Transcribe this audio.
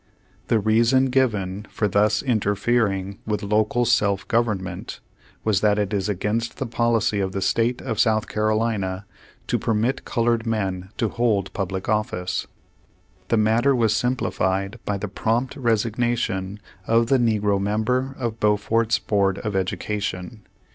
The reason given for thus interfering with local self govern ment was that it is against the policy of the State of South Carolina, to permit colored men to hold public ofhce. The matter was simplified by the prompt resignation of the negro member of Beau fort's Board of Education.